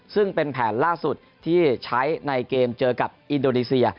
ซึ่งเป็นแผนล่าสุดที่ใช้ในเกมเจอกับอินโดนีเซีย